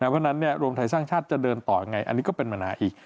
เพราะฉะนั้นรวมไทยสร้างชาติจะเดินต่อยังไงอันนี้ก็เป็นปัญหาอีก